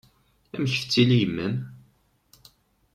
Amek tettili yemma-m?